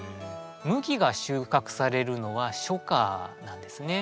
麦が収穫されるのは初夏なんですね。